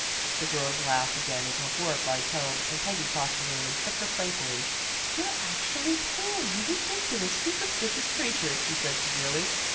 The girls laughed again at her horrified tone, and Peggy crossed the room and shook her playfully. " You're actually pale, you ridiculous, super stitious creature," she said severely.